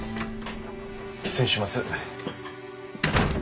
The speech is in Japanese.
失礼します。